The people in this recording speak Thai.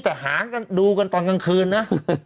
แต่ดูกันตอนกลางคืนน่ะ